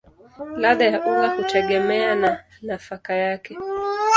Ladha ya unga hutegemea na nafaka yake.